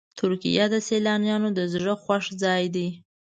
ترکیه د سیلانیانو د زړه خوښ ځای دی.